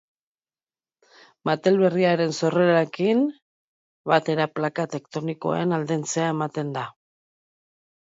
Material berriaren sorrerarekin batera plaka tektonikoen aldentzea ematen da.